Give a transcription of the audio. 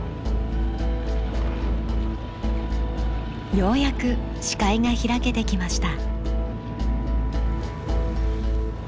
ようやく視界が開けてきました。